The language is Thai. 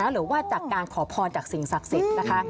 หรือว่าจากการขอพรจากสิ่งศักดิ์สิทธิ์นะคะ